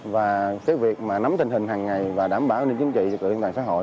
và việc nắm tình hình hằng ngày và đảm bảo an ninh chính trị trực tự an ninh xã hội